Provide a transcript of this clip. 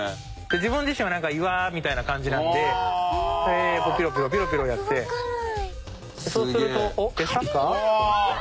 自分自身は岩みたいな感じなのでこうピロピロピロピロやってそうすると「餌か？」ってなって。